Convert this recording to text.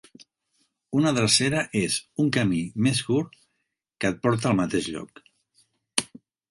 Una drecera és un camí més curt que et porta al mateix lloc.